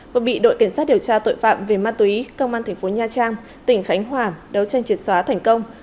và bị đội cảnh sát điều tra tội phạm về ma túy công an tp nha trang tỉnh khánh hòa đấu tranh triệt xóa thành công